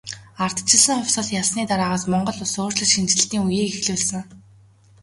Ардчилсан хувьсгал ялсны дараагаас Монгол улс өөрчлөлт шинэчлэлтийн үеийг эхлүүлсэн.